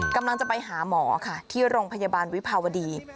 กำลังจะไปหาหมอค่ะที่โรงพยาบาลวิภาวดี